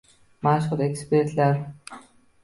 Mashhur ekspertlar